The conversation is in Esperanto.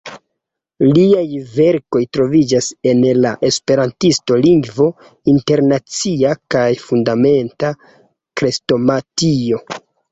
Liaj verkoj troviĝas en "La Esperantisto, Lingvo Internacia" kaj "Fundamenta Krestomatio".